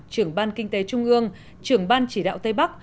trưởng ban kinh tế trung ương trưởng ban chỉ đạo tây bắc